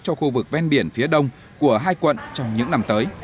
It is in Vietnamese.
cho khu vực ven biển phía đông của hai quận trong những năm tới